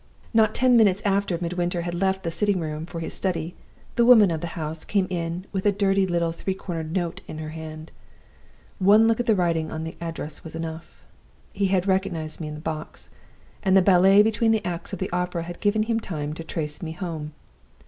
"Not ten minutes after Midwinter had left the sitting room for his study, the woman of the house came in with a dirty little three cornered note in her hand. One look at the writing on the address was enough. He had recognized me in the box; and the ballet between the acts of the opera had given him time to trace me home.